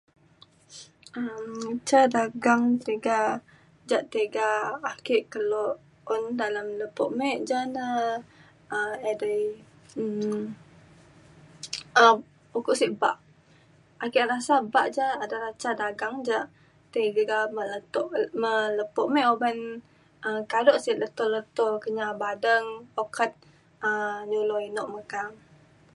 um ca dagang tiga ja tiga ake kelo un dalem lepo me ja na um edei um ukok sek bak ake rasa bak ca adalah ca dagang jak tiga me leto me lepo me uban kado sek leto leto Kenyah Badeng um ukat nyulo eno meka